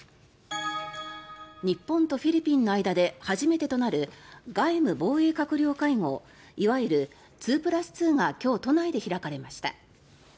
日本とフィリピンの間で初めてとなる外務・防衛閣僚会合いわゆる２プラス２が今日、都内で開かれました。